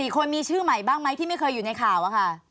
คนมีชื่อใหม่บ้างไหมที่ไม่เคยอยู่ในข่าวอะค่ะ